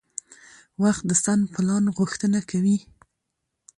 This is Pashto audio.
وخت د سم پلان غوښتنه کوي